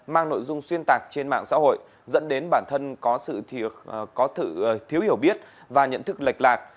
mang nội dung xuyên tạc trên mạng xã hội dẫn đến bản thân có sự có sự thiếu hiểu biết và nhận thức lệch lạc